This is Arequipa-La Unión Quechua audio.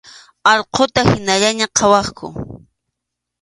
Allquta hinallaña qhawaqku.